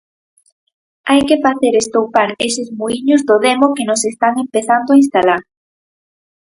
Hai que facer estoupar eses muíños do demo que nos están empezando a instalar.